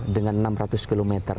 dengan enam ratus km